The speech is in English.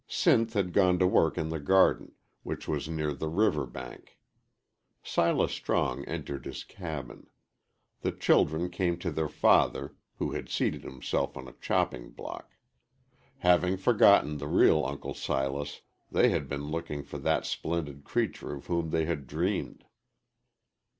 Sinth had gone to work in the garden, which was near the river bank. Silas Strong entered his cabin. The children came to their father, who had seated himself on a chopping block. Having forgotten the real Uncle Silas, they had been looking for that splendid creature of whom they had dreamed.